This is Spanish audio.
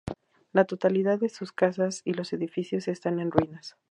La totalidad de sus casas y los edificios están en ruinas.